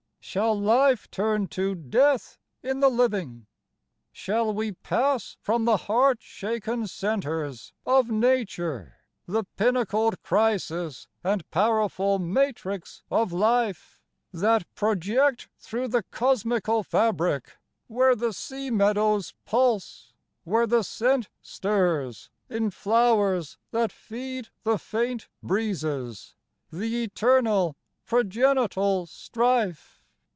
Shall life turn to death in the living ? Shall we pass from the heart shaken centres Of nature, the pinnacled crisis and powerful matrix of life, 42 THE GATES OF LIFE That project thro' the cosmical fabric, where the sea meadows pulse, where the scent stirs In flowers that feed the faint breezes, the eternal progenital strife